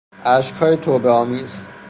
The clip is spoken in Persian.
اشکهای توبهآمیز